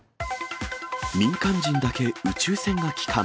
民間人だけ宇宙船が帰還。